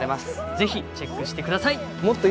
ぜひチェックして下さい。